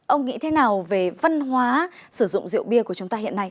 ông nghĩ thế nào về văn hóa sử dụng rượu bia của chúng ta hiện nay